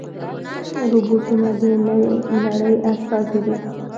روبوټونه د نوې نړۍ استازي دي.